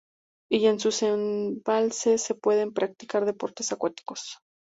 Y en sus embalses se pueden practicar deportes acuáticos.